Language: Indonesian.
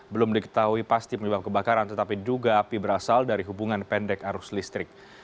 belum diketahui pasti penyebab kebakaran tetapi duga api berasal dari hubungan pendek arus listrik